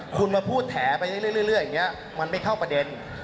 คุณมาพูดแถไปเรื่อยอย่างนี้มันไม่เข้าประเด็น